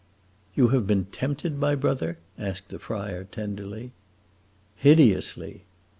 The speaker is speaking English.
"You have been tempted, my brother?" asked the friar, tenderly. "Hideously!"